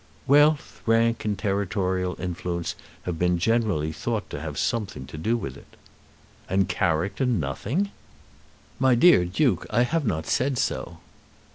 "Wealth, rank, and territorial influence have been generally thought to have something to do with it." "And character nothing!" "My dear Duke, I have not said so."